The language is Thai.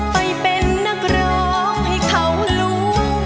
ไปเป็นนักร้องให้เขารู้